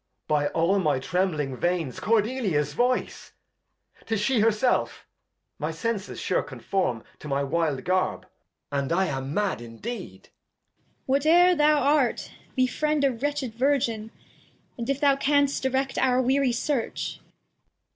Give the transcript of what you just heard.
By all my trembling Veins, Cordelia's Voice ! 2i8 The History of [Act iii 'Tis she herself ! My Senses sure confirm To my wild Garb, and I am mad indeed. [Aside. Cord. What e'er thou art, befriend a wretched Virgin, And, if thou canst, direct our weary Search.